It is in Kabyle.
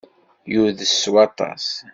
Yudes s waṭas.